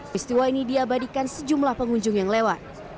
peristiwa ini diabadikan sejumlah pengunjung yang lewat